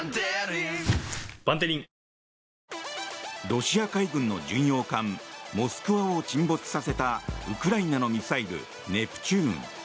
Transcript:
ロシア海軍の巡洋艦「モスクワ」を沈没させたウクライナのミサイルネプチューン。